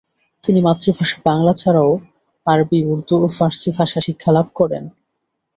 তিনি মাতৃভাষা বাংলা ছাড়াও আরবি, উর্দূ ও ফার্সি ভাষা শিক্ষালাভ করেন।